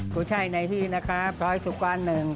ผู้ช่วยในที่นะครับท้อยสุกวันหนึ่ง